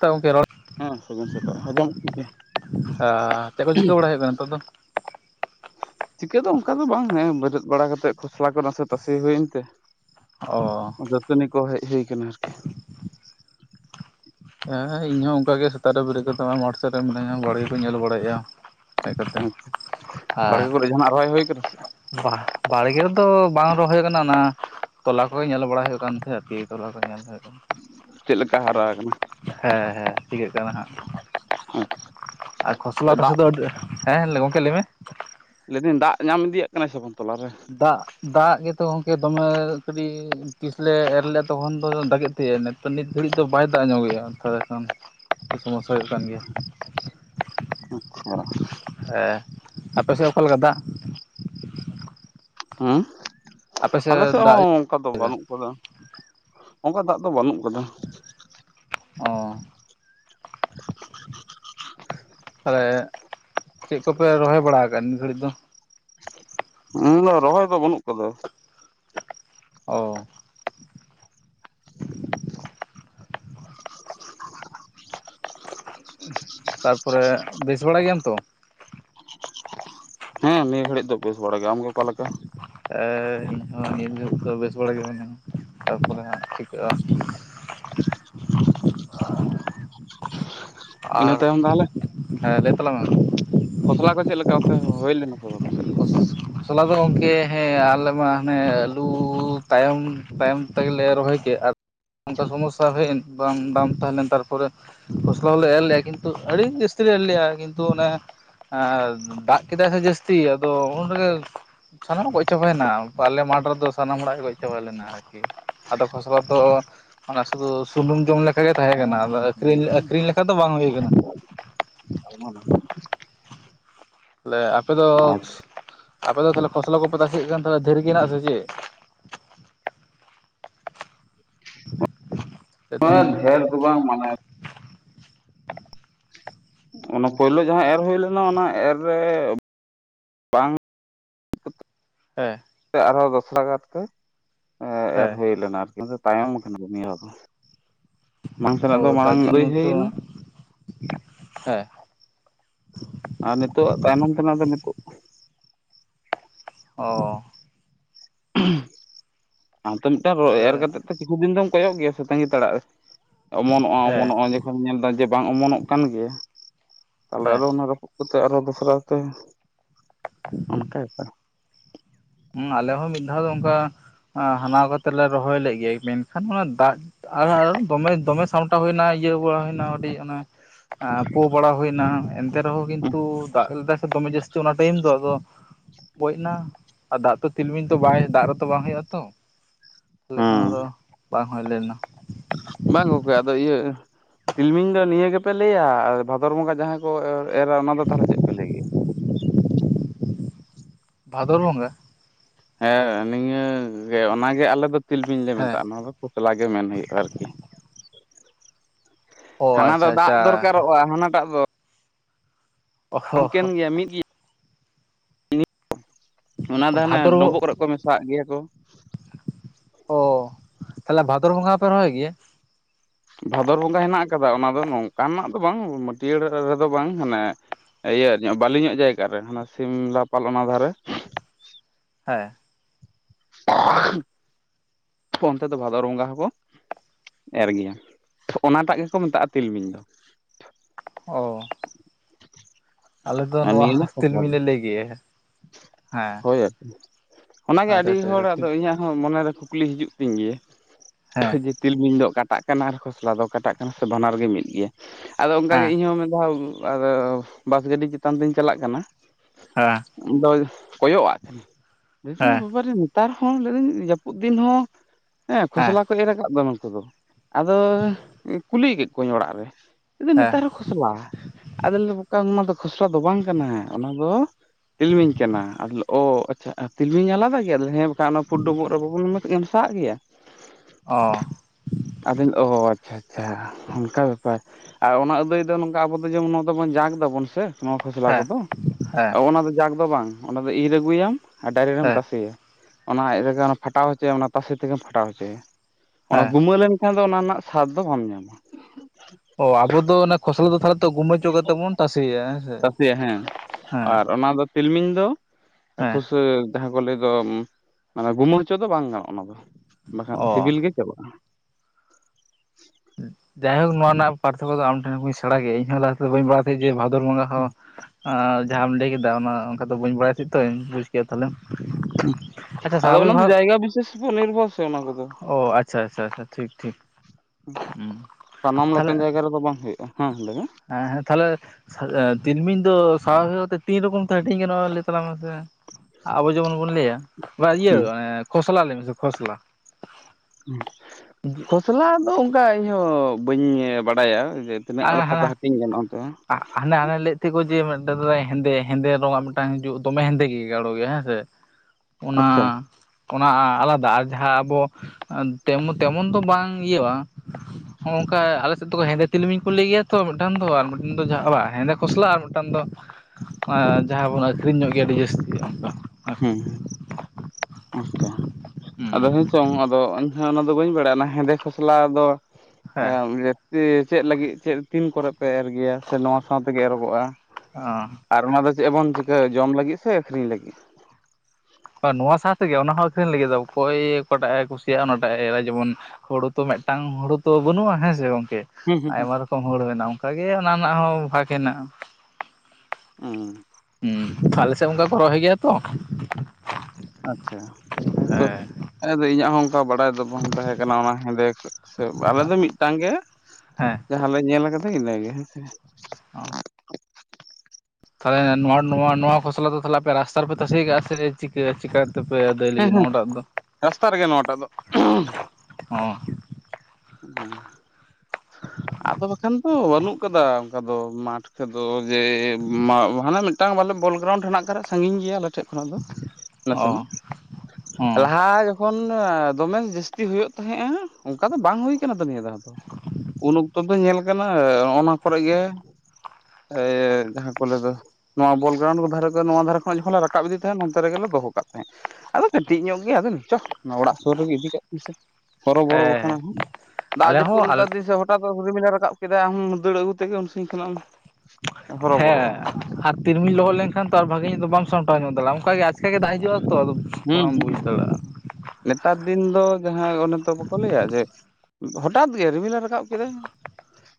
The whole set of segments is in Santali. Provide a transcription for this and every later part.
ᱛᱚ ᱜᱚᱝᱠᱮ ᱨᱚᱲ ᱦᱮᱸ ᱥᱟᱹᱜᱩᱱ ᱥᱮᱛᱟᱜ [unintelligible] ᱪᱮᱫ ᱠᱚ ᱪᱤᱠᱟᱹ ᱵᱟᱲᱟ ᱦᱩᱭᱩᱜ ᱠᱟᱱᱟ ᱱᱤᱛᱚᱜ ᱫᱚ ᱪᱤᱠᱟᱹ ᱫᱚ ᱚᱱᱠᱟ ᱫᱚ ᱵᱟᱝ ᱦᱮ ᱵᱮᱨᱟᱫ ᱵᱟᱲᱟ ᱠᱟᱛᱮᱫ ᱠᱷᱚᱥᱞᱟ ᱠᱚ ᱱᱟᱥᱮ ᱛᱟᱥᱮ ᱦᱩᱭᱮᱱ ᱛᱮ ᱚ ᱫᱟᱹᱛᱟᱹᱱᱤ ᱠᱚ ᱦᱮᱡ ᱦᱩᱭ ᱟᱠᱟᱱᱟ ᱟᱨᱠᱤ ᱦᱮᱸ ᱤᱧ ᱦᱚᱸ ᱚᱱᱠᱟ ᱜᱮ ᱥᱮᱛᱟᱜ ᱨᱮ ᱵᱮᱨᱮᱫ ᱠᱟᱛᱮ ᱱᱚᱜ ᱚᱭ ᱢᱟᱴ ᱥᱮᱫ ᱨᱮ ᱢᱤᱱᱟᱹᱧᱟ ᱵᱟᱲ ᱜᱮ ᱠᱚᱧ ᱧᱮᱞ ᱵᱟᱲᱟᱭᱮᱫᱼᱟ ᱦᱮᱡ ᱠᱟᱛᱮ ᱟᱪᱪᱷᱟ ᱵᱟᱲᱜᱮ ᱟᱨ ᱠᱚᱨᱮ ᱡᱟᱦᱱᱟᱜ ᱨᱚᱦᱚᱭ ᱦᱩᱭ ᱠᱟᱱᱟ ᱥᱮ ᱵᱟᱲᱜᱮ ᱨᱮᱫᱚ ᱵᱟᱝ ᱨᱚᱦᱚᱭ ᱠᱟᱱᱟ ᱚᱱᱟ ᱛᱚᱞᱟ ᱠᱚᱜᱮ ᱧᱮᱞ ᱵᱟᱲᱟ ᱦᱩᱭᱩᱜ ᱠᱟᱱ ᱛᱟᱦᱮᱸ ᱟᱨᱠᱤ [unintelligible] ᱪᱮᱫ ᱞᱮᱠᱟ ᱦᱟᱨᱟ ᱠᱟᱱᱟ ᱦᱮᱸ ᱦᱮᱸ ᱡᱤᱠᱟᱹᱜ ᱠᱟᱱᱟ ᱦᱟᱸᱜ [unintelligible] ᱟᱨ ᱠᱷᱚᱥᱞᱟ ᱫᱟᱜ ᱛᱤᱥᱮ ᱫᱚ ᱟᱰᱤ ᱦᱮᱸ ᱜᱚᱢᱠᱮ ᱞᱟᱹᱭ ᱢᱮ ᱞᱟᱹᱭ ᱫᱟᱹᱧ ᱫᱟᱜ ᱧᱟᱢ ᱤᱫᱤᱭᱟᱜ ᱠᱟᱱᱟᱭ ᱥᱮ ᱵᱟᱝ ᱛᱚᱞᱟ ᱨᱮ ᱫᱟᱜ ᱫᱟᱜ ᱜᱮᱛᱚ ᱜᱚᱝᱠᱮ ᱫᱚᱢᱮ ᱠᱟᱹᱴᱤᱡ ᱛᱤᱥ ᱞᱮ ᱮᱨ ᱞᱮᱫᱼᱟ ᱛᱚᱠᱷᱚᱱ ᱫᱚ ᱫᱟᱜᱮᱜ ᱛᱟᱦᱮᱜᱼᱟ ᱱᱤᱛᱚᱜ ᱱᱤᱛ ᱜᱷᱟᱹᱲᱤᱡ ᱫᱚ ᱵᱟᱭ ᱫᱟᱜ ᱧᱚᱜᱮᱭᱟ ᱛᱟᱦᱚᱞᱮ ᱠᱷᱟᱱ ᱥᱚᱢᱚᱥᱟ ᱦᱩᱭᱩᱜ ᱠᱟᱱ ᱜᱮᱭᱟ ᱦᱮᱸ ᱟᱯᱮ ᱥᱮᱫ ᱚᱠᱟ ᱞᱮᱠᱟ ᱫᱟᱜ ᱦᱩᱸ ᱟᱯᱮ ᱟᱞᱮ ᱥᱮᱫ ᱫᱟᱜ ᱦᱚᱸ ᱚᱱᱠᱟ ᱫᱚ ᱵᱟᱹᱱᱩᱜ ᱠᱟᱫᱟ ᱚᱱᱠᱟ ᱫᱟᱜ ᱫᱚ ᱵᱟᱹᱱᱩᱜ ᱠᱟᱫᱟ ᱚ ᱛᱟᱦᱚᱞᱮ ᱪᱮᱫ ᱠᱚᱯᱮ ᱨᱚᱦᱚᱭ ᱵᱟᱲᱟ ᱠᱟᱜᱼᱟ ᱱᱤᱛ ᱜᱷᱟᱹᱲᱤᱡ ᱫᱚ ᱨᱚᱦᱚᱭ ᱫᱚ ᱵᱟᱹᱱᱩᱜ ᱠᱟᱫᱟ ᱚ [inaudible] [inaudible] [inaudible] ᱛᱟᱨ ᱯᱚᱨᱮ ᱵᱮᱥ ᱵᱟᱲᱟ ᱜᱮᱭᱟᱢ ᱛᱚ ᱦᱮᱸ ᱱᱤᱭᱟᱹ ᱜᱷᱟᱹᱲᱤᱡ ᱫᱚ ᱵᱮᱥ ᱵᱟᱲᱟ ᱜᱮ ᱟᱢᱜᱮ ᱚᱠᱟ ᱞᱮᱠᱟ ᱤᱧᱦᱚᱸ ᱱᱤᱭᱟᱹ ᱜᱷᱟᱹᱲᱤᱡ ᱫᱚ ᱵᱮᱥ ᱵᱟᱲᱟ ᱜᱮ ᱢᱤᱱᱟᱹᱧᱟ ᱛᱟᱨᱯᱚᱨᱮ ᱦᱟᱸᱜ ᱪᱤᱠᱟᱹᱜᱼᱟ ᱤᱱᱟᱹ ᱟᱨ ᱛᱟᱭᱚᱢ ᱛᱟᱦᱚᱞᱮ ᱦᱮᱸ ᱞᱟᱹᱭ ᱛᱟᱞᱟᱝ ᱢᱮ ᱠᱷᱚᱥᱞᱟ ᱠᱚ ᱪᱮᱫ ᱞᱮᱠᱟ ᱚᱱᱛᱮ ᱦᱩᱭ ᱞᱮᱱᱟ ᱥᱮ ᱟᱯᱮ ᱥᱮᱫ ᱫᱚ ᱠᱷᱚᱥᱚᱞᱟ ᱫᱚ ᱜᱚᱝᱠᱮ ᱦᱮᱸ ᱟᱞᱮ ᱢᱟ ᱦᱟᱱᱮ ᱟᱹᱞᱩ ᱛᱟᱭᱚᱢ ᱛᱟᱭᱚᱢ ᱛᱮᱜᱮ ᱞᱮ ᱨᱚᱦᱚᱭ ᱠᱮᱫ ᱟᱨ ᱚᱱᱠᱟ ᱥᱚᱢᱚᱥᱥᱟ ᱦᱮᱡ ᱮᱱ ᱵᱟᱝ ᱵᱟᱝ ᱛᱟᱦᱮᱸ ᱞᱮᱱ ᱛᱟᱨᱯᱚᱨᱮ ᱯᱷᱚᱥᱞᱟ ᱦᱚᱸᱞᱮ ᱮᱨ ᱞᱮᱜ ᱟ ᱠᱤᱱᱛᱩ ᱟᱹᱰᱤ ᱡᱟᱹᱥᱛᱤ ᱞᱮ ᱮᱨ ᱞᱮᱜ ᱟ ᱠᱤᱱᱛᱩ ᱚᱱᱮ ᱫᱟᱜ ᱠᱮᱫᱟᱭ ᱥᱮ ᱡᱟᱹᱥᱛᱤ ᱟᱫᱚ ᱩᱱ ᱨᱮᱜᱮ ᱥᱟᱱᱟᱢᱟᱜ ᱜᱚᱡ ᱪᱟᱵᱟᱭᱱᱟ ᱟᱞᱮ ᱢᱟᱴᱷ ᱨᱮᱫᱚ ᱥᱟᱱᱟᱢ ᱦᱚᱲᱟᱜ ᱜᱚᱡ ᱪᱟᱵᱟ ᱞᱮᱱᱟ ᱟᱨᱠᱤ ᱟᱫᱚ ᱠᱷᱚᱥᱞᱟ ᱫᱚ ᱚᱱᱟ ᱥᱩᱫᱩ ᱥᱩᱱᱩᱢ ᱡᱚᱢ ᱞᱮᱠᱟ ᱜᱮ ᱛᱟᱦᱮᱸ ᱠᱟᱱᱟ ᱟᱹᱠᱷᱨᱤᱧ ᱞᱮᱠᱟ ᱫᱚ ᱵᱟᱝ ᱦᱩᱭ ᱟᱠᱟᱱᱟ [unintelligible] ᱛᱟᱦᱞᱮ ᱟᱯᱮ ᱫᱚ ᱟᱯᱮ ᱫᱚ ᱛᱟᱦᱮᱞᱮ ᱯᱷᱚᱥᱚᱞᱮ ᱠᱚᱯᱮ ᱛᱟᱥᱮᱫ ᱫᱷᱮᱨ ᱜᱮᱦᱮ ᱱᱟᱜ-ᱟ ᱥᱮ ᱪᱮᱫ [inaudible] ᱰᱷᱮᱨ ᱫᱚ ᱵᱟᱝ ᱢᱟᱱᱮ ᱚᱱᱟ ᱯᱳᱭᱞᱳ ᱡᱟᱦᱟᱸ ᱮᱨ ᱦᱩᱭ ᱞᱮᱱᱟ ᱚᱱᱟ ᱮᱨ ᱨᱮ ᱵᱟᱝ ᱦᱮᱸ ᱟᱨᱦᱚᱸ ᱫᱚᱥᱨᱟ ᱠᱟᱨ ᱛᱮ ᱮᱨ ᱦᱩᱭ ᱞᱮᱱᱟ ᱟᱨᱠᱤ ᱛᱟᱭᱚᱢ ᱠᱟᱱᱟ ᱫᱚ ᱱᱤᱭᱟᱹ ᱫᱷᱟᱣ ᱫᱚ ᱢᱟᱲᱟᱝ ᱛᱮᱱᱟᱜ ᱫᱚ ᱢᱟᱲᱟᱝ ᱨᱮ ᱦᱩᱭᱱᱟ ᱦᱮᱸ ᱟᱨ ᱱᱤᱛᱳᱜ ᱛᱟᱭᱱᱚᱢ ᱛᱮᱱᱟᱜ ᱫᱚ ᱱᱤᱛᱳᱜ ᱚ ᱟᱢ ᱛᱚ ᱢᱤᱫᱴᱟᱝ ᱮᱨ ᱠᱟᱛᱮ ᱫᱚ ᱠᱤᱪᱷᱩ ᱫᱤᱱ ᱫᱚᱢ ᱠᱚᱭᱚᱜ ᱜᱮᱭᱟ ᱥᱮ ᱛᱟᱸᱜᱤ ᱛᱟᱲᱟᱜ ᱨᱮ ᱚᱢᱚᱱᱚᱜᱼᱟ ᱦᱮᱸ ᱚᱢᱚᱱᱚᱜᱼᱟ ᱡᱚᱠᱷᱚᱱ ᱧᱮᱞᱫᱟ ᱡᱮ ᱵᱟᱝ ᱚᱢᱚᱱᱚᱜ ᱠᱟᱱ ᱜᱮᱭᱟ ᱛᱟᱦᱚᱞᱮ ᱦᱮᱸ ᱟᱫᱚ ᱚᱱᱟ ᱫᱚ ᱩᱵ ᱠᱟᱛᱮ ᱟᱨᱚᱦᱚᱸ ᱫᱚᱥᱨᱟ ᱛᱮ ᱚᱱᱠᱟ ᱵᱮᱯᱟᱨ ᱩᱸ ᱟᱞᱮᱦᱚᱸ ᱢᱤᱫ ᱫᱷᱟᱣ ᱫᱚ ᱚᱱᱠᱟ ᱦᱟᱱᱟ ᱠᱟᱛᱮᱞᱮ ᱨᱚᱦᱚᱭ ᱞᱮ ᱜᱮ ᱢᱮᱱᱠᱷᱟᱱ ᱚᱱᱟ ᱫᱟᱜ ᱟᱨ ᱫᱚᱢᱮ ᱫᱚᱢᱮ ᱥᱟᱢᱴᱟᱣ ᱦᱩᱭᱱᱟ ᱤᱭᱟᱹ ᱵᱟᱲᱟ ᱦᱩᱭᱱᱟ ᱟᱹᱰᱤ ᱚᱱᱮ ᱯᱳ ᱵᱟᱲᱟ ᱦᱩᱭᱱᱟ ᱮᱱᱛᱮ ᱨᱮᱦᱚᱸ ᱠᱤᱱᱛᱩ ᱫᱟᱜ ᱞᱮᱫᱟᱭ ᱥᱮ ᱫᱚᱢᱮ ᱡᱟᱹᱥᱛᱤ ᱚᱱᱟ ᱴᱟᱭᱤᱢ ᱫᱚ ᱟᱫᱚ ᱜᱚᱡ ᱮᱱᱟ᱾ ᱟᱨ ᱫᱟᱜ ᱛᱚ ᱛᱤᱞᱢᱤᱧ ᱛᱚ ᱵᱟᱭ ᱫᱟᱜ ᱨᱮᱛᱚ ᱵᱟᱝ ᱦᱩᱭᱩᱜ-ᱟ ᱛᱚ ᱛᱟᱦᱚᱞᱮ ᱠᱷᱟᱱ ᱦᱮᱸ ᱟᱫᱚ ᱵᱟᱝ ᱦᱩᱭ ᱞᱮ ᱞᱮᱱᱟ ᱵᱟᱝ ᱜᱚᱝᱠᱮ ᱟᱫᱚ ᱤᱭᱟᱹ ᱛᱤᱞᱢᱤᱧ ᱫᱚ ᱱᱤᱭᱟᱹ ᱜᱮᱯᱮ ᱞᱟᱹᱭᱟ ᱵᱷᱟᱫᱚᱨ ᱵᱚᱸᱜᱟ ᱡᱟᱦᱟᱸ ᱠᱚ ᱮᱨ ᱮᱨᱟ ᱚᱱᱟ ᱫᱚ ᱛᱟᱦᱚᱞᱮ ᱪᱮᱫ ᱯᱮ ᱞᱟᱹᱭ ᱜᱮᱭᱟ? ᱵᱷᱟᱫᱚᱨ ᱵᱚᱸᱜᱟ ᱦᱮᱸ ᱱᱤᱭᱟᱹ ᱜᱮ ᱚᱱᱟᱜᱮ ᱟᱞᱮ ᱫᱚ ᱛᱤᱞᱢᱤᱧ ᱞᱮ ᱦᱮᱸ ᱢᱮᱛᱟᱜᱼᱟ᱾ ᱱᱚᱣᱟ ᱫᱚ ᱠᱷᱚᱥᱞᱟ ᱜᱮ ᱢᱮᱱ ᱦᱩᱭᱩᱜᱼᱟ ᱟᱨᱠᱤ ᱚ ᱦᱟᱱᱟ ᱟᱪᱪᱷᱟ ᱫᱚ ᱫᱟᱜ ᱟᱪᱪᱷᱟ ᱫᱚᱨᱠᱟᱨᱚᱜᱼᱟ ᱦᱟᱱᱟᱴᱟᱜ ᱫᱚ ᱚᱱᱠᱮᱱ ᱚ ᱜᱮᱭᱟ ᱢᱤᱫ ᱜᱮ ᱚᱱᱟ ᱫᱚ ᱦᱟᱱᱟ ᱵᱷᱟᱫᱚᱨ ᱰᱳᱢᱵᱩᱜ ᱠᱚᱨᱮᱜ ᱠᱚ ᱢᱮᱥᱟᱣᱟᱜ ᱜᱮᱭᱟ ᱠᱚ ᱚ ᱛᱟᱦᱚᱞᱮ ᱵᱷᱟᱫᱚᱨ ᱵᱚᱸᱜᱟ ᱦᱚᱸᱯᱮ ᱨᱚᱦᱚᱭ ᱜᱮᱭᱟ? ᱵᱷᱟᱫᱚᱨ ᱵᱚᱸᱜᱟ ᱦᱮᱱᱟᱜ ᱟᱠᱟᱫᱟ ᱚᱱᱟ ᱫᱚ ᱱᱚᱝᱠᱟᱱᱟᱜ ᱫᱚ ᱵᱟᱝ ᱢᱟᱹᱴᱭᱟᱹᱲ ᱨᱮ ᱫᱚ ᱵᱟᱝ ᱦᱟᱱᱮ ᱤᱭᱟᱹ ᱧᱚᱜ ᱵᱟᱹᱞᱤ ᱧᱚᱜ ᱡᱟᱭᱜᱟ ᱨᱮ ᱦᱟᱱᱟ ᱥᱤᱢᱞᱟᱯᱟᱞ ᱚᱱᱟ ᱫᱷᱟᱨᱮ ᱦᱮᱸ ᱚᱱᱛᱮ ᱫᱚ ᱵᱷᱟᱫᱚᱨ ᱵᱚᱸᱜᱟ ᱦᱚᱸ ᱠᱚ ᱮᱨ ᱜᱮᱭᱟ᱾ ᱚᱱᱟᱴᱟᱜ ᱜᱮ ᱠᱚ ᱢᱮᱛᱟᱜᱼᱟ ᱛᱤᱞᱢᱤᱧ ᱫᱚ ᱚ ᱟᱞᱮ ᱫᱚ ᱟᱨ ᱱᱚᱣᱟ ᱱᱤᱭᱟᱹ ᱦᱚᱸ ᱠᱷᱚᱥᱞᱟ ᱛᱤᱞᱢᱤ ᱫᱚ ᱞᱮ ᱞᱟᱹᱭ ᱜᱮᱭᱟ᱾ ᱦᱳᱭ ᱟᱨᱠᱤ ᱚᱱᱟᱜᱮ ᱟᱪᱪᱷᱟ ᱟᱹᱰᱤ ᱟᱪᱪᱷᱟ ᱦᱚᱲ ᱟᱪᱪᱷᱟ ᱟᱫᱚ ᱴᱷᱤᱠ ᱤᱧᱟᱹᱜ ᱦᱚᱸ ᱢᱚᱱᱮ ᱨᱮ ᱠᱩᱠᱞᱤ ᱦᱤᱡᱩᱜ ᱛᱤᱧ ᱜᱮ ᱦᱮᱸ ᱡᱮ ᱛᱤᱞᱢᱤᱧ ᱫᱚ ᱠᱟᱴᱟᱜ ᱠᱟᱱᱟ ᱟᱨ ᱠᱷᱚᱥᱞᱟ ᱫᱚ ᱠᱟᱴᱟᱜ ᱠᱟᱱᱟ ᱥᱮ ᱵᱟᱱᱟᱨ ᱜᱮ ᱢᱤᱫ ᱜᱮᱭᱟ ᱟᱫᱚ ᱚᱱᱠᱟ ᱜᱮ ᱦᱮᱸ ᱤᱧ ᱦᱚᱸ ᱢᱤᱫ ᱫᱷᱟᱣ ᱵᱟᱥ ᱜᱟᱹᱰᱤ ᱪᱮᱛᱟᱱ ᱛᱤᱧ ᱪᱟᱞᱟᱜ ᱠᱟᱱᱟ᱾ ᱦᱮᱸ ᱫᱚ ᱠᱚᱭᱚᱜ ᱟᱜ ᱠᱟᱱᱟ᱾ ᱤᱫᱤ ᱦᱮᱸ ᱵᱟᱵᱟᱨᱮ ᱛᱟᱨ ᱦᱚᱸ ᱞᱟᱹᱭᱫᱤᱹᱧ ᱡᱟᱹᱯᱩᱫ ᱫᱤᱱ ᱦᱚᱸ ᱦᱮ ᱦᱮᱸ ᱠᱷᱚᱥᱞᱟ ᱠᱚ ᱮᱨ ᱟᱠᱟᱫ ᱫᱚ ᱱᱚᱛᱮ ᱫᱚ᱾ ᱟᱫᱚ ᱠᱩᱞᱤ ᱠᱮᱫ ᱠᱚᱣᱟᱹᱧ ᱚᱲᱟᱜ ᱨᱮ ᱞᱮᱭᱫᱤᱧ ᱦᱮᱸ ᱱᱮᱛᱟᱨ ᱦᱚᱸ ᱠᱷᱚᱥᱞᱟ ᱟᱫᱚ ᱞᱮᱠᱟ ᱚᱱᱟ ᱫᱚ ᱠᱷᱚᱥᱞᱟ ᱫᱚ ᱵᱟᱝ ᱠᱟᱱᱟ᱾ ᱚᱱᱟ ᱫᱚ ᱛᱤᱞᱢᱤᱧ ᱠᱟᱱᱟ᱾ᱟᱫᱚ ᱞᱮᱭᱫᱟ ᱚ ᱟᱪᱪᱷᱟ ᱛᱤᱞᱢᱤᱧ ᱟᱞᱟᱫᱟ ᱜᱮᱭᱟ ᱦᱮᱸ ᱡᱟᱦᱟ ᱚᱱᱟ ᱯᱷᱩᱴ ᱰᱩᱵᱚᱜ ᱨᱮ ᱵᱟᱵᱚᱱ ᱢᱮᱥᱟᱣᱟᱜ ᱜᱮᱭᱟ ᱚ ᱟᱫᱚ ᱚᱻ ᱟᱪᱪᱷᱟ ᱟᱪᱪᱷᱟ ᱚᱱᱠᱟ ᱵᱮᱯᱟᱨ ᱟᱨ ᱚᱱᱟ ᱟᱹᱫᱟᱹᱭ ᱫᱚ ᱱᱚᱝᱠᱟ ᱟᱵᱚ ᱫᱚ ᱡᱮᱢᱚᱱ ᱱᱚᱣᱟ ᱫᱚᱵᱚᱱ ᱡᱟᱸᱠ ᱫᱟᱵᱚᱱ ᱥᱮ ᱱᱚᱣᱟ ᱠᱷᱚᱥᱞᱟ ᱦᱮᱸ ᱠᱚᱫᱚ᱾ ᱦᱮᱸ ᱚᱱᱟ ᱫᱚ ᱡᱟᱠ ᱫᱚ ᱵᱟᱝ ᱚᱱᱟ ᱫᱚ ᱤᱨ ᱟᱹᱜᱩᱭᱟᱢ ᱟᱨ ᱰᱟᱭᱨᱮᱴ ᱮᱢ ᱦᱮᱸ ᱛᱟᱥᱮᱭᱟ᱾ ᱚᱱᱟ ᱮᱰᱮ ᱠᱷᱟᱱ ᱯᱷᱟᱴᱟᱣ ᱦᱚᱪᱚᱭᱟ ᱚᱱᱟ ᱛᱟᱥᱮ ᱛᱮᱜᱮᱢ ᱯᱷᱟᱴᱟᱣ ᱦᱚᱪᱚᱭᱟ ᱚᱱᱟ ᱦᱮᱸ ᱜᱩᱢᱟᱹᱞ ᱦᱮ ᱫᱚ ᱚᱱᱟ ᱨᱮᱱᱟᱜ ᱥᱟᱫ ᱫᱚ ᱵᱟᱢ ᱧᱟᱢᱟ ᱚ ᱟᱵᱚ ᱫᱚ ᱚᱱᱟ ᱠᱷᱚᱥᱚᱞᱟ ᱫᱚ ᱛᱟᱦᱚᱞᱮ ᱛᱚ ᱜᱩᱹᱢᱟᱣ ᱦᱚᱪᱚ ᱠᱟᱛᱮ ᱵᱚᱱ ᱛᱟᱥᱮᱭᱟ ᱦᱮᱸ ᱥᱮ ᱛᱟᱥᱮᱭᱟ ᱦᱮᱸ ᱦᱮᱸ ᱟᱨ ᱚᱱᱟ ᱫᱚ ᱛᱤᱞᱢᱤᱧ ᱫᱚ ᱦᱮᱸ ᱠᱷᱩᱥ ᱡᱟᱦᱟᱸ ᱠᱚ ᱞᱟᱹᱭ ᱫᱚ ᱢᱟᱱᱮ ᱜᱩᱢᱟᱹ ᱦᱚᱪᱚ ᱫᱚ ᱵᱟᱝ ᱜᱟᱱᱚᱜᱼᱟ ᱚᱱᱟ ᱫᱚ ᱵᱟᱠᱷᱟᱱ ᱚ ᱥᱤᱵᱤᱞ ᱜᱮ ᱪᱟᱵᱟᱜᱼᱟ ᱡᱟᱭᱦᱳᱠ ᱱᱚᱣᱟ ᱨᱮᱱᱟᱜ ᱯᱟᱨᱛᱷᱚᱠᱚ ᱫᱚ ᱟᱢ ᱴᱷᱮᱱ ᱠᱷᱚᱱ ᱥᱮᱲᱟ ᱜᱮ᱾ᱤᱧ ᱦᱚᱸ ᱞᱟᱦᱟ ᱵᱟᱹᱧ ᱵᱟᱲᱟᱭ ᱛᱟᱦᱮᱸᱫ ᱡᱮ ᱵᱷᱟᱫᱚᱨ ᱵᱚᱸᱜᱟ ᱦᱚᱸ ᱡᱟᱦᱟᱸᱢ ᱞᱟᱹᱭ ᱠᱮᱫᱟ ᱚᱱᱟ ᱚᱱᱠᱟ ᱫᱚ ᱵᱟᱹᱧ ᱵᱟᱲᱟᱭᱟ ᱛᱟᱦᱮᱫ ᱛᱚ ᱛᱟᱦᱚᱞᱮ ᱟᱪᱪᱷᱟ ᱥᱟᱦ ᱟᱫᱚ ᱚᱱᱟ ᱫᱚ ᱵᱤᱵᱷᱟᱜᱽ ᱡᱟᱭᱜᱟ ᱵᱤᱥᱮᱥ ᱩᱯᱚᱨ ᱱᱤᱨᱵᱷᱚᱨ ᱥᱮ ᱚᱱᱟ ᱠᱚᱫᱚ ᱚ ᱟᱪᱪᱷᱟ ᱟᱪᱪᱷᱟ ᱟᱪᱪᱷᱟ ᱴᱷᱤᱠ ᱴᱷᱤᱠ ᱥᱟᱱᱟᱢ ᱛᱟᱦᱚᱞᱮ ᱞᱮᱠᱟᱱ ᱡᱟᱭᱜᱟ ᱨᱮᱫᱚ ᱵᱟᱝ ᱦᱩᱭᱩᱜᱼᱟ᱾ ᱦᱮᱸ ᱞᱟᱹᱭᱢᱮ? ᱦᱮᱸ ᱦᱮᱸ ᱛᱟᱦᱚᱞᱮ ᱛᱤᱞᱢᱤᱧ ᱫᱚ ᱥᱟ ᱠᱟᱛᱮ ᱛᱤᱱ ᱨᱚᱠᱚᱢ ᱛᱮ ᱦᱟᱹᱴᱤᱧ ᱜᱟᱱᱚᱜᱼᱟ ᱞᱟᱹᱭ ᱛᱟᱞᱟ ᱢᱮᱥᱮ ᱟᱵᱚ ᱡᱮᱢᱚᱱ ᱵᱚᱱ ᱞᱟᱹᱭᱟ ᱵᱟ ᱤᱭᱟᱹ ᱢᱮ ᱠᱷᱚᱥᱞᱟ ᱞᱟᱭ ᱢᱮᱥᱮ ᱠᱷᱚᱥᱞᱟ ᱠᱷᱚᱥᱞᱟ ᱫᱚ ᱚᱱᱠᱟ ᱤᱧ ᱦᱚᱸ ᱵᱟᱹᱧ ᱵᱟᱰᱟᱭᱟ ᱡᱮ ᱛᱤᱱᱟᱹᱜ ᱟᱨ ᱞᱮᱠᱟᱛᱮ ᱦᱟᱱᱟ ᱦᱟᱹᱴᱤᱧ ᱜᱟᱱᱚᱜᱼᱟ ᱮᱱᱛᱮ ᱦᱟᱱᱮ ᱦᱟᱱᱮ ᱞᱟᱹᱭᱮᱛ ᱛᱟᱦᱮᱫ ᱠᱚ ᱡᱮ ᱢᱤᱫᱴᱟᱱ ᱦᱮᱸᱫᱮ ᱦᱮᱸᱫᱮ ᱨᱚᱝᱟᱜ ᱢᱤᱫᱴᱟᱝ ᱦᱤᱡᱩᱜ ᱫᱚᱢᱮ ᱦᱮᱸᱫᱮ ᱜᱮ ᱜᱟᱲᱚᱜ ᱜᱮᱭᱟ ᱦᱮᱸ ᱥᱮ ᱚᱱᱟ ᱟᱪᱪᱷᱟ ᱚᱱᱟ ᱟᱞᱟᱫᱟ ᱟᱨ ᱡᱟᱦᱟᱸ ᱟᱵᱚ ᱛᱮᱢᱚ ᱛᱮᱢᱚᱱ ᱫᱚ ᱵᱟᱝ ᱤᱭᱟᱹᱜᱼᱟ᱾ ᱦᱚᱸ ᱚᱱᱠᱟ ᱟᱞ ᱥᱮᱫ ᱫᱚᱠᱚ ᱦᱮᱸᱫᱮ ᱛᱤᱞᱟᱹᱢᱤᱧ ᱠᱩ ᱞᱟᱹᱭ ᱜᱮᱭᱟ ᱛᱚ ᱢᱤᱫᱴᱟᱝ ᱫᱚ ᱟᱨ ᱢᱤᱫᱴᱟᱝ ᱫᱚ ᱦᱮᱸᱫᱮ ᱠᱷᱚᱥᱞᱟ ᱟᱨ ᱢᱤᱫᱴᱟᱝ ᱫᱚ ᱟᱨ ᱡᱟᱦᱟᱸ ᱵᱚᱱ ᱟᱹᱠᱷᱨᱤᱧ ᱧᱚᱜ ᱜᱮᱭᱟ ᱟᱹᱰᱤ ᱡᱟᱹᱥᱛᱤ ᱚᱱᱠᱟ᱾ ᱟᱨᱠᱤ ᱦᱩᱸ ᱦᱩᱸ ᱟᱪᱪᱷᱟ᱾ ᱟᱫᱚ ᱦᱮᱸ ᱪᱚᱝ ᱟᱫᱚ ᱤᱧᱦᱚ ᱚᱱᱟ ᱫᱚ ᱵᱟᱹᱧ ᱵᱟᱲᱟᱭᱟ ᱚᱱᱟ ᱦᱮᱸᱫᱮ ᱠᱷᱚᱥᱞᱟ ᱫᱚ ᱮ ᱡᱟᱥᱛᱤ ᱪᱮᱫ ᱞᱟᱹᱜᱤᱫ ᱪᱮᱫ ᱛᱤᱱ ᱠᱚᱨᱮᱜ ᱯᱮ ᱮᱨ ᱜᱮᱭᱟ ᱥᱮ ᱱᱚᱣᱟ ᱥᱟᱶ ᱛᱮᱜᱮ ᱮᱨᱚᱜᱚᱜᱼᱟ? ᱚ ᱟᱨ ᱚᱱᱟ ᱫᱚ ᱪᱮᱫ ᱵᱚᱱ ᱪᱤᱠᱟᱹᱭᱟ ᱡᱚᱢ ᱞᱟᱹᱜᱤᱫ ᱥᱮ ᱟᱹᱠᱷᱨᱤᱧ ᱞᱟᱹᱜᱤᱫ? ᱱᱚᱣᱟ ᱥᱟᱶᱛᱮᱜᱮ ᱚᱱᱟ ᱦᱚᱸ ᱟᱹᱠᱷᱨᱤᱧ ᱞᱟᱹᱜᱤᱫ ᱫᱚ ᱚᱠᱚᱭ ᱚᱠᱟᱴᱟᱜᱼᱮ ᱠᱩᱥᱤᱭᱟᱜᱼᱟ ᱚᱱᱟᱴᱟᱜᱼᱮ ᱮᱨᱟ ᱡᱮᱢᱚᱱ ᱦᱩᱲᱩ ᱛᱚ ᱢᱤᱫᱴᱟᱝ ᱦᱩᱲᱩ ᱛᱚ ᱵᱟᱹᱱᱩᱜᱼᱟ ᱦᱮᱸ ᱥᱮ ᱜᱚᱝᱠᱮ? ᱦᱩᱸ ᱦᱩᱸ ᱟᱭᱢᱟ ᱨᱚᱠᱚᱢ ᱦᱚᱲ ᱢᱮᱱᱟᱜᱼᱟ ᱚᱱᱠᱟᱜᱼᱮ ᱚᱱᱟ ᱨᱮᱱᱟᱜ ᱦᱚᱸ ᱵᱷᱟᱜᱽ ᱦᱮᱱᱟᱜᱼᱟ᱾ ᱚ ᱦᱸ ᱟᱞᱮᱥᱮᱫ ᱚᱱᱠᱟ ᱠᱚ ᱨᱚᱦᱚᱭ ᱜᱮᱭᱟ ᱛᱚ, ᱟᱪᱪᱷᱟ ᱦᱮᱸᱛᱚ ᱦᱮᱸ ᱤᱧᱟᱹᱜ ᱦᱚᱸ ᱚᱱᱠᱟ ᱵᱟᱰᱟᱭ ᱫᱚ ᱵᱟᱝ ᱛᱟᱦᱮᱸ ᱠᱟᱱᱟ ᱚᱱᱟ ᱦᱮᱸᱫᱮ ᱥᱮ ᱟᱞᱮ ᱫᱚ ᱢᱤᱫᱴᱟᱝ ᱜᱮ ᱦᱮᱸ ᱡᱟᱦᱟᱸ ᱞᱮ ᱧᱮᱞ ᱠᱟᱫᱟ ᱤᱱᱟᱹᱜᱮ ᱦᱮᱸᱥᱮ? ᱚ ᱛᱟᱦᱚᱞᱮ ᱱᱚᱣᱟ ᱱᱚᱣᱟ ᱱᱚᱣᱟ ᱠᱷᱚᱥᱞᱟ ᱫᱚ ᱛᱟᱦᱚᱞᱮ ᱟᱯᱮ ᱨᱟᱥᱛᱟ ᱨᱮᱯᱮ ᱛᱟᱥᱮ ᱠᱟᱜᱼᱟ ᱥᱮ ᱪᱤᱠ ᱪᱤᱠᱟᱹ ᱛᱟᱯᱮ ᱟᱹ ᱫᱟᱹᱭ ᱞᱟᱹᱜᱤᱫ ᱦᱮᱸ ᱱᱚᱣᱟᱴᱟᱜ ᱫᱚ? ᱨᱟᱥᱛᱟ ᱨᱮᱜᱮ ᱱᱚᱣᱟᱴᱟᱜ ᱫᱚ ᱦᱚᱸ ᱦᱮᱸ [inaudible] ᱟᱫᱚ ᱵᱟᱠᱷᱟᱱ ᱫᱚ ᱵᱟᱹᱱᱩᱜ ᱟᱠᱟᱫᱟ ᱚᱱᱠᱟ ᱫᱚ ᱢᱟᱴᱷ ᱠᱷᱫᱚ ᱡᱮ ᱦᱟᱱᱟ ᱢᱤᱫ ᱢᱤᱫᱴᱟᱝ ᱵᱚᱞ ᱜᱨᱟᱣᱩᱱ ᱦᱮᱱᱟᱜᱫᱟ ᱥᱟᱜᱤᱧ ᱜᱮᱭᱟ ᱟᱞ ᱴᱷᱮᱡ ᱠᱷᱚᱱᱟᱜ ᱫᱚ ᱚ ᱱᱚᱛᱮᱱᱟᱜ ᱚ ᱞᱟᱦᱟ ᱠᱷᱚᱱ ᱫᱚᱢᱮ ᱡᱟᱹᱥᱛᱤ ᱦᱩᱭᱩᱜ ᱛᱟᱦᱮᱸᱫᱼᱟ ᱚᱱᱠᱟ ᱫᱚ ᱵᱟᱝ ᱦᱩᱭ ᱠᱟᱱᱟ ᱛᱚ ᱱᱤᱭᱟᱹ ᱫᱷᱟᱣ ᱫᱚ ᱩᱱ ᱚᱠᱛᱚ ᱫᱚ ᱧᱮᱞ ᱠᱟᱱᱟ ᱚᱱᱟ ᱠᱚᱨᱮ ᱜᱮ, ᱮᱻ ᱡᱟᱦᱟᱸ ᱠᱚ ᱞᱮ ᱫᱚ᱾ ᱱᱚᱣᱟ ᱵᱚᱞ ᱜᱨᱟᱣᱩᱱᱰ ᱠᱚ ᱫᱷᱟᱨᱮ ᱠᱚ ᱱᱚᱣᱟ ᱵᱚᱞ ᱜᱨᱟᱣᱩᱱ ᱫᱷᱟᱨᱮ ᱠᱷᱚᱱᱟᱜᱼᱚ ᱡᱚᱠᱷᱚᱱ ᱞᱮ ᱨᱟᱠᱟᱵ ᱤᱫᱤ ᱛᱟᱦᱮᱸ ᱱᱚᱛᱮ ᱨᱮᱜᱮᱞᱮ ᱫᱚᱦᱚ ᱠᱟᱜ ᱛᱟᱦᱮᱸᱫ᱾ ᱟᱫᱚ ᱠᱟᱹᱴᱤᱡ ᱧᱚᱜ ᱜᱮᱭᱟ ᱟᱫᱚ ᱪᱚ ᱚᱲᱟᱜ ᱥᱩᱨ ᱨᱮᱜᱮ ᱤᱫᱤᱠᱟᱜ ᱢᱮᱥᱮ᱾ ᱦᱚᱨᱚ ᱦᱮᱸ ᱵᱚᱨᱚ ᱵᱟᱠᱷᱟᱱ ᱦᱮᱸ ᱦᱚᱸ ᱫᱟᱜ ᱟᱞᱮ ᱦᱚᱸ ᱡᱟᱹᱯᱩᱫ ᱱᱮᱛᱟᱨ ᱫᱤᱱ ᱥᱮ ᱟᱫᱚ ᱨᱤᱢᱤᱞ ᱮ ᱨᱟᱠᱟᱵ ᱠᱮᱫᱟ ᱟᱢ ᱫᱟᱹᱲ ᱟᱹᱜᱩ ᱛᱮᱜᱮ ᱩᱱᱥᱟᱜᱩᱧ ᱠᱷᱚᱱᱟᱜ ᱮᱢ ᱦᱚᱨᱚᱵᱚᱨᱚᱜᱼᱟ ᱦᱮᱸ ᱟᱨ ᱛᱤᱨᱢᱤᱧ ᱞᱚᱦᱚᱫ ᱞᱮᱱᱠᱷᱟᱱ ᱟᱨ ᱵᱷᱟᱜᱤ ᱧᱚᱜ ᱫᱚ ᱵᱟᱢ ᱥᱟᱢᱴᱟᱣ ᱧᱚᱜ ᱫᱮᱭᱟᱜᱼᱟ ᱚᱱᱠᱟᱜᱮ ᱟᱪᱠᱟ ᱜᱮ ᱫᱟᱜ ᱦᱤᱡᱚᱜᱼᱟ ᱛᱚ ᱟᱫᱚ ᱵᱟᱢ ᱦᱩᱸ ᱦᱩᱸ ᱵᱟᱢᱩᱡᱽ ᱫᱟᱲᱮᱭᱟᱜᱼᱟ᱾ ᱱᱮᱛᱟᱨ ᱫᱤᱱ ᱫᱚ ᱡᱟᱦᱟᱸ ᱚᱱᱮᱛᱚ ᱵᱟᱠᱚ ᱞᱟᱹᱭᱟ ᱡᱮ ᱦᱚᱴᱟᱛ ᱜᱮ ᱨᱤᱢᱤᱞ ᱮ ᱨᱟᱠᱟᱵ ᱠᱮᱫᱟᱭ,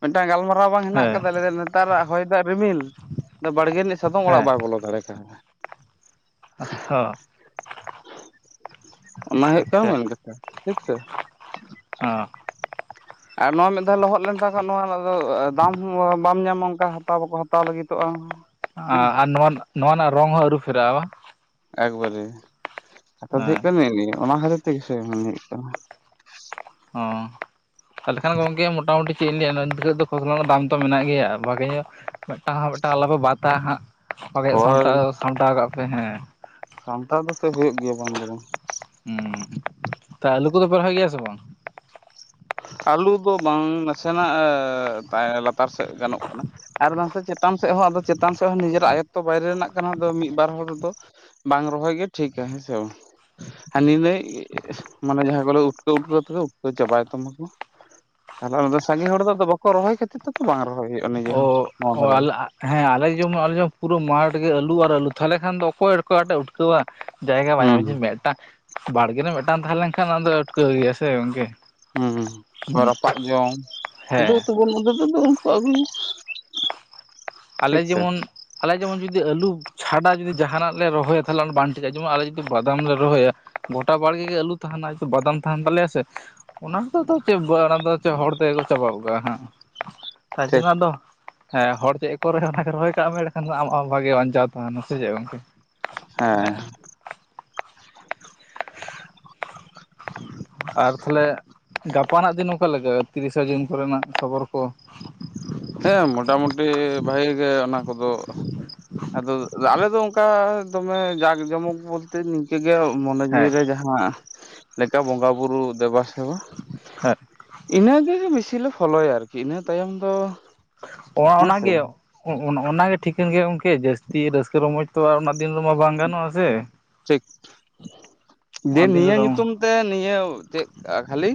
ᱢᱤᱫᱴᱟᱝ ᱜᱟᱞᱢᱟᱨᱟᱣ ᱵᱟᱝ ᱦᱮᱱᱟᱜ ᱦᱮᱸ ᱟᱠᱟᱫᱟ ᱞᱟᱹᱭ ᱱᱮᱛᱟᱜ ᱟᱜ ᱦᱚᱭ ᱫᱟᱜ ᱨᱤᱢᱤᱞ ᱵᱟᱲᱜᱮ ᱨᱤᱱᱤᱡ ᱥᱟᱫᱚᱢ ᱚᱲᱟᱜ ᱦᱮᱸ ᱵᱟᱭ ᱵᱚᱞᱚ ᱫᱟᱲᱮ ᱠᱟᱣᱫᱟ᱾ ᱦᱚᱸ ᱚᱱᱟ ᱦᱩᱭᱩᱜ ᱠᱟᱱᱟ ᱢᱮᱱ ᱠᱟᱛᱷᱟ ᱴᱷᱤᱠᱥᱮ᱾ ᱦᱚᱸ ᱟᱨ ᱱᱚᱣᱟ ᱢᱤᱫ ᱫᱷᱟᱣ ᱞᱚᱦᱚᱫ ᱞᱮᱱ ᱠᱷᱟᱱ ᱱᱚᱣᱟ ᱫᱟᱢ ᱵᱟᱢ ᱧᱟᱢᱟ ᱚᱱᱠᱟ ᱦᱟ ᱵᱟᱠᱚ ᱦᱟᱛᱟᱣ ᱞᱟᱹᱜᱤᱫᱚᱜᱼᱟ᱾ ᱦᱮᱸ ᱟᱨ ᱱᱚᱣᱟ ᱱᱚᱣᱟ ᱨᱮᱱᱟᱜ ᱨᱚᱝ ᱦᱚᱸ ᱟᱹᱨᱩ ᱯᱷᱮᱨᱟᱜᱼᱟ ᱵᱟᱝ? ᱮᱠᱵᱟᱨᱮ ᱠᱟᱛᱷᱟ ᱫᱚ ᱦᱩᱭᱩᱜ ᱦᱮᱸ ᱠᱟᱱᱟ ᱤᱱᱟᱹ ᱜᱮ ᱚᱱᱟ ᱠᱷᱟᱛᱤᱨ ᱛᱮᱜᱮ ᱦᱩᱭᱩᱜ ᱠᱟᱱᱟ᱾ ᱦᱚᱸ ᱛᱟᱦᱚᱞᱮ ᱠᱷᱟᱱ ᱜᱚᱝᱠᱮ ᱢᱚᱴᱟᱢᱩᱴᱤ ᱪᱮᱫ ᱤᱧ ᱞᱟᱹᱭᱟ ᱫᱚ ᱠᱷᱚᱥᱚᱞᱟ ᱨᱮᱱᱟᱜ ᱫᱟᱢ ᱛᱚ ᱢᱮᱱᱟᱜ ᱜᱮᱭᱟ ᱵᱷᱟᱜᱮ ᱧᱚᱜ ᱢᱤᱫᱴᱟᱝ ᱦᱚᱸ ᱢᱤᱫᱴᱟᱝ ᱟᱞᱚᱯᱮ ᱵᱟᱛᱟ ᱦᱟᱜ ᱡᱚᱛᱚ ᱦᱳᱭ ᱥᱟᱢᱴᱟᱣ ᱥᱟᱢᱴᱟᱣ ᱠᱟᱜ ᱯᱮ ᱦᱮᱸ᱾ ᱥᱟᱢᱴᱟᱶ ᱫᱚ ᱪᱮᱫ ᱦᱩᱭᱩᱜ ᱜᱮᱭᱟ ᱢᱮᱱ ᱫᱚ ᱵᱟᱝ᱾ ᱦᱩᱸ ᱛᱚ ᱟᱞᱩ ᱠᱚᱫᱚ ᱯᱮ ᱨᱚᱦᱟᱭ ᱜᱮᱭᱟ ᱥᱮ ᱵᱟᱝ? ᱟᱹᱞᱩ ᱫᱚ ᱵᱟᱝ ᱱᱟᱥᱮᱱᱟᱜ ᱞᱟᱛᱟᱨ ᱥᱮᱫ ᱜᱟᱱᱚᱜ ᱠᱟᱱᱟ᱾ ᱟᱨ ᱵᱟᱝᱥᱮ ᱪᱮᱛᱟᱱ ᱥᱮᱫ ᱦᱚᱸ ᱟᱫᱚ ᱪᱮᱛᱟᱱ ᱥᱮᱫ ᱦᱚᱸ ᱱᱤᱡᱮᱨᱟᱜ ᱟᱭᱚᱛᱚ ᱵᱟᱭᱨᱮ ᱨᱮᱱᱟᱜ ᱠᱟᱱᱟ ᱢᱤᱫ ᱵᱟᱨ ᱦᱚᱲ ᱨᱮᱫᱚ ᱵᱟᱝ ᱨᱚᱦᱚᱭ ᱜᱮ ᱴᱷᱤᱠᱟ ᱦᱮᱸ ᱥᱮ ᱵᱟᱝ ᱦᱟᱱᱤ ᱱᱟᱹᱭ ᱢᱟᱱᱮ ᱡᱟᱦᱟᱸᱭ ᱵᱚᱞᱮ ᱩᱴᱠᱟᱹᱣ ᱩᱴᱠᱟᱹ ᱛᱮᱜᱮ ᱩᱴᱠᱟᱹ ᱪᱟᱵᱟᱭ ᱛᱢᱟᱠᱩ ᱛᱟᱦᱞᱮ ᱥᱟᱸᱜᱤᱧ ᱦᱚᱲ ᱫᱚ ᱵᱟᱠᱚ ᱨᱚᱦᱚᱭ ᱠᱷᱟᱹᱛᱤᱨ ᱛᱚ ᱵᱟᱝ ᱨᱚᱦᱚᱭ ᱦᱩᱭᱩᱜᱼᱟ ᱱᱤᱡᱮ ᱚ ᱦᱚᱸ ᱱᱚᱣᱟ ᱚ ᱫᱷᱟᱨᱮ ᱫᱚ ᱟᱞᱮ ᱦᱮᱸ ᱟᱞᱮ ᱡᱮᱢᱚᱱ ᱟᱞᱮ ᱯᱩᱨᱟᱹ ᱢᱟᱴᱷᱜ ᱟᱹᱞᱩ ᱟᱨ ᱟᱞᱩ ᱛᱟᱦᱚᱞᱮ ᱠᱷᱟᱱ ᱫᱚ ᱚᱠᱚᱭ ᱚᱠᱟᱴᱮ ᱩᱴᱟᱹᱣᱟ ᱡᱟᱭᱜᱟ ᱵᱟᱭᱟᱢ ᱦᱩᱸ ᱢᱮᱪ ᱢᱮᱫ ᱵᱟᱲᱜᱮ ᱨᱮ ᱢᱤᱫᱴᱟᱝ ᱛᱟᱦᱮᱸ ᱞᱮᱱᱠᱷᱟᱱ ᱚᱱᱟ ᱫᱚ ᱮᱴᱠᱟᱹᱣ ᱜᱮᱭᱟ ᱥᱮ ᱜᱚᱝᱠᱮ ᱦᱩᱸ ᱛᱚ ᱨᱟᱯᱟᱜ ᱡᱚᱢ ᱱᱤᱛ ᱦᱮᱸ ᱛᱩᱵᱩ ᱵᱚᱱ ᱢᱚᱫ ᱛᱚ [unintelligible] ᱟᱞᱮ ᱡᱮᱢᱚᱱ ᱟᱞᱮ ᱡᱮᱢᱚᱱ ᱡᱩᱫᱤ ᱟᱹᱞᱩ ᱪᱷᱟᱰᱟ ᱡᱩᱫᱤ ᱡᱟᱦᱟᱱᱟᱜ ᱞᱮ ᱨᱚᱦᱚᱭᱟ ᱛᱟᱦᱚᱞᱮ ᱵᱟᱝ ᱴᱷᱤᱠᱟᱜ ᱼᱟ ᱡᱮᱢᱚᱱ ᱟᱞᱮ ᱡᱩᱫᱤ ᱵᱟᱫᱟᱢ ᱞᱮ ᱨᱚᱦᱚᱭᱟ ᱜᱚᱴᱟ ᱵᱟᱲᱜᱮ ᱜᱮ ᱟᱹᱞᱩ ᱛᱟᱦᱮᱱᱟ ᱵᱟᱫᱟᱢ ᱛᱟᱦᱮᱱ ᱛᱟᱞᱮᱭᱟ ᱥᱮ ᱚᱱᱟ ᱠᱚ ᱪᱮᱫ ᱚᱱᱟ ᱫᱚ ᱪᱮᱫ ᱦᱚᱲ ᱛᱮᱜᱮ ᱠᱚ ᱪᱟᱵᱟ ᱠᱚᱜ ᱠᱟᱜᱟ ᱦᱟᱜ ᱢᱟᱥᱮ ᱴᱷᱤᱠ ᱱᱟᱜ ᱫᱚ ᱦᱮᱸ ᱦᱚᱲ ᱪᱮᱫ ᱯᱚᱨᱮ ᱨᱚᱦᱚᱭ ᱠᱟᱜ ᱢᱮ ᱮᱱᱠᱷᱟᱱ ᱟᱢᱟᱜ ᱦᱚᱸ ᱵᱷᱟᱜᱮ ᱵᱟᱧᱪᱟᱶ ᱛᱟᱦᱮᱱᱟ ᱥᱮ ᱪᱮᱫ ᱜᱚᱝᱠᱮ ᱦᱮᱸ ᱟᱨ ᱛᱟᱦᱚᱞᱮ ᱜᱟᱯᱟᱱᱟᱜ ᱫᱤᱱ ᱚᱠᱟᱞᱮᱠᱟ ᱛᱤᱨᱤᱥᱮ ᱡᱩᱱ ᱠᱚᱨᱮᱱᱟᱜ ᱠᱷᱚᱵᱚᱨ ᱠᱚ ᱦᱮᱸ ᱢᱚᱴᱟᱢᱩᱴᱤ ᱵᱷᱟᱜᱤ ᱜᱮ ᱚᱱᱟ ᱠᱚᱫᱚ ᱟᱫᱚ ᱟᱞᱮ ᱫᱚ ᱚᱱᱠᱟ ᱫᱚᱢᱮ ᱡᱟᱠ ᱡᱚᱢᱚᱠ ᱵᱚᱞᱛᱮ ᱱᱤᱝᱠᱟᱹᱜᱮ ᱢᱚᱱᱮ ᱡᱤᱣᱤ ᱦᱮᱸ ᱨᱮ ᱡᱟᱦᱟᱸ ᱞᱮᱠᱟ ᱵᱚᱸᱜᱟ ᱵᱩᱨᱩ ᱫᱮᱵᱟ ᱥᱮᱵᱟ ᱦᱮᱸ ᱤᱱᱟᱹᱜᱮ ᱵᱤᱥᱤ ᱞᱮ ᱯᱷᱚᱞᱳᱭᱟ ᱟᱨᱠᱤ ᱤᱱᱟᱹ ᱛᱟᱭᱚᱢ ᱫᱚ ᱚᱱᱟ ᱦᱮᱸᱥᱮ ᱚᱱᱟᱜᱮ ᱴᱷᱤᱠᱟᱹᱱ ᱜᱮ ᱜᱚᱝᱠᱮ ᱡᱟᱹᱥᱛᱤ ᱨᱟᱹᱥᱠᱟᱹ ᱨᱚᱢᱚᱡᱽ ᱛᱚ ᱫᱤᱱ ᱨᱮᱢᱟ ᱵᱟᱝ ᱜᱟᱱᱚᱜᱼᱟ ᱥᱮ ᱴᱷᱤᱠ ᱡᱮ ᱚᱱᱟ ᱫᱤᱱ ᱱᱤᱭᱟᱹ ᱨᱮᱫᱚ ᱧᱩᱛᱩᱢ ᱛᱮ ᱱᱤᱭᱟᱹ ᱪᱮᱫ ᱠᱷᱟᱹᱞᱤ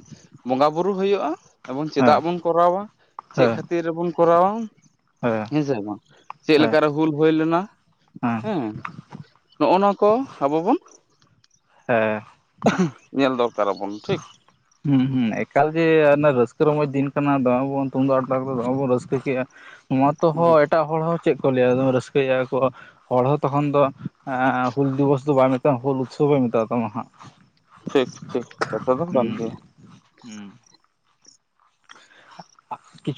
ᱵᱚᱸᱜᱟ ᱵᱩᱨᱩ ᱦᱩᱭᱩᱜᱼᱟ ᱮᱵᱚᱝ ᱪᱮᱫᱟᱜ ᱦᱮᱸ ᱵᱚᱱ ᱠᱚᱨᱟᱣᱟ ᱪᱮᱫ ᱠᱷᱟᱹᱛᱤᱨ ᱵᱚᱱ ᱠᱚᱨᱟᱣᱟ ᱦᱳᱭ ᱦᱮᱸᱥᱮ ᱵᱟᱝ ᱪᱮᱫ ᱞᱮᱠᱟᱨᱮ ᱦᱩᱞ ᱦᱩᱭ ᱞᱮᱱᱟ ᱦᱮᱸ ᱱᱚᱜ ᱱᱚᱣᱟ ᱠᱚ ᱟᱵᱚ ᱵᱚᱱ ᱦᱮᱸ ᱧᱮᱞ ᱫᱚᱨᱠᱟᱨ ᱨᱟᱵᱚᱱ ᱴᱷᱤᱠ ᱦᱮᱸ ᱦᱩᱸ ᱮᱠᱟᱞ ᱡᱮ ᱨᱟᱹᱥᱠᱟᱹ ᱨᱚᱢᱚᱡᱽ ᱫᱤᱱ ᱠᱟᱱᱟ ᱫᱚᱢᱮ ᱵᱚᱱ ᱛᱩᱢᱫᱟᱜ ᱴᱟᱠᱟ ᱫᱚᱢᱮ ᱵᱚᱱ ᱨᱟᱹᱥᱠᱟᱹ ᱠᱼᱟ ᱱᱚᱣᱟ ᱛᱚᱦᱚᱸ ᱮᱴᱟᱜ ᱦᱚᱲ ᱦᱚᱸ ᱪᱮᱫ ᱠᱚ ᱞᱟᱹᱭᱟ ᱮᱫ ᱨᱟᱹᱥᱠᱟᱹᱭᱟ ᱠᱚ ᱦᱚᱲ ᱦᱚᱸ ᱛᱚᱠᱷᱚᱱ ᱫᱚ ᱮ ᱦᱩᱞ ᱫᱤᱵᱚᱥ ᱫᱚ ᱵᱟᱭ ᱢᱮᱛᱟᱢᱟ ᱦᱩᱞ ᱩᱛᱥᱚᱵ ᱮ ᱢᱮᱛᱟᱜ ᱛᱟᱢᱟ ᱦᱟᱸᱜ ᱴᱷᱤᱠ ᱴᱷᱤᱠ ᱥᱮᱚᱛ ᱫᱚ ᱦᱩᱸ ᱠᱟᱱ ᱜᱮᱭᱟ ᱦᱩᱸ [unintelligible]